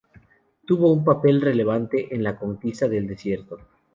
Tuvo un papel relevante en la "conquista del desierto".